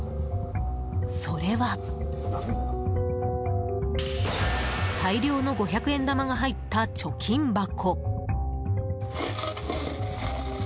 それは、大量の五百円玉が入った貯金箱。